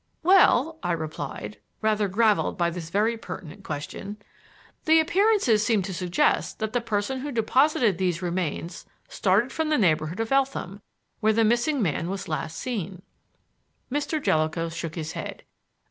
"Well," I replied, rather graveled by this very pertinent question, "the appearances seem to suggest that the person who deposited these remains started from the neighborhood of Eltham, where the missing man was last seen." Mr. Jellicoe shook his head.